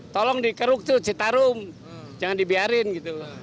tolong dikeruk tuh citarum jangan dibiarin gitu